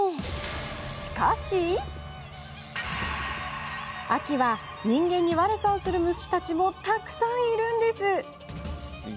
しかし秋は、人間に悪さをする虫たちもたくさんいるんです。